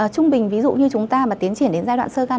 trung bình ví dụ như chúng ta mà tiến triển đến giai đoạn sơ gan